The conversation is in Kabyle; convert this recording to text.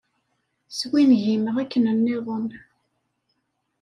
Swingimeɣ akken-nniḍen.